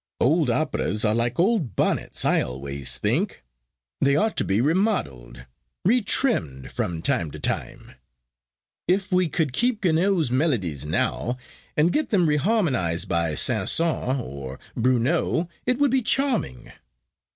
Old operas are like old bonnets, I always think. They ought to be remodelled, retrimmed from time to time. If we could keep Gounod's melodies now, and get them reharmonised by Saint Saëns or Bruneau, it would be charming."